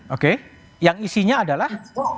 oke yang isinya adalah